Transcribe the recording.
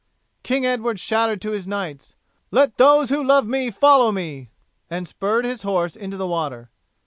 King Edward shouted to his knights, "Let those who love me follow me," and spurred his horse into the water.